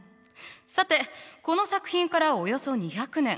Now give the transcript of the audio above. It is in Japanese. さてこの作品からおよそ２００年。